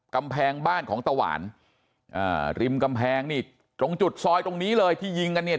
กำแพงบ้านของตะหวานอ่าริมกำแพงนี่ตรงจุดซอยตรงนี้เลยที่ยิงกันเนี่ย